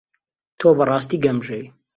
تۆ بەڕاستی گەمژەی.